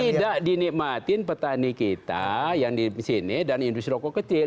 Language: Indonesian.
tidak dinikmatin petani kita yang di sini dan industri rokok kecil